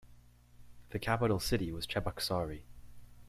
The capital city was Cheboksary.